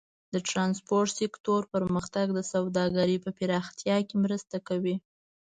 د ټرانسپورټ سکتور پرمختګ د سوداګرۍ په پراختیا کې مرسته کوي.